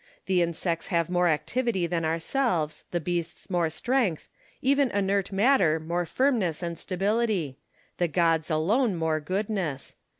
The insects have more activity than ourselves, the beasts more strength, even inert matter more firmness and stability ; the gods alone more goodness.